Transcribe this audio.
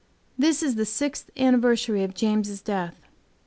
This is the sixth anniversary of James' death.